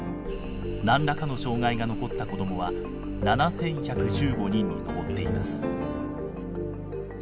何らかの障害が残った子どもは７，１１５人に上っています。